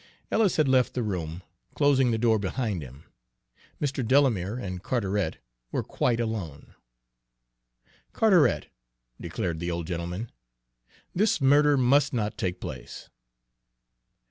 Ellis had left the room, closing the door behind him. Mr. Delamere and Carteret were quite alone. "Carteret," declared the old gentleman, "this murder must not take place."